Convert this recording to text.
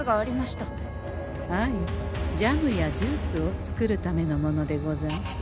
ジャムやジュースを作るためのものでござんす。